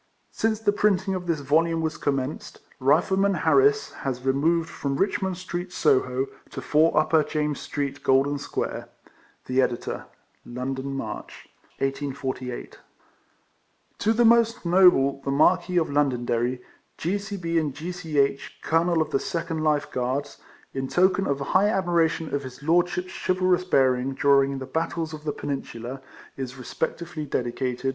Since the printiug of thit. volume was comiiieaced, " Rifleman Harris" has removed from Richmond Street, Soho, to 4, Upper James Street, Golden Square. THE EDITOB. London, March, TO THE MOST NOBLE THE MARQUESS OF LONDONDERRY, G.C.B. AND G.C.H., COLONEL OF THE SECOND LIFE GUARDS, &c. &e., IN TOKEN OF HIGH ADMIRATION OF HIS LORDSHIP's CHIVALROUS BEARING DURING THE BATTLES OF THE PENINSULA, IS RESPECTFULLY DEDICATED